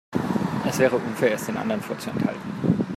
Es wäre unfair, es den anderen vorzuenthalten.